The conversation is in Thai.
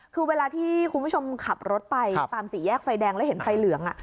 คือเวลาที่คุณผู้ชมขับรถไปตามสี่แยกไฟแดงแล้วเห็นไฟเหลือง